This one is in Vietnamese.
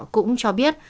cũng cho biết